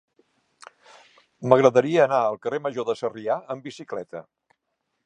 M'agradaria anar al carrer Major de Sarrià amb bicicleta.